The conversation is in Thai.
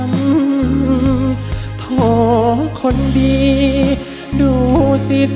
โทษคนดีดูสิจริงโทษคนดีดูสิจริง